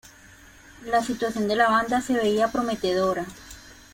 La situación de la banda se veía prometedora.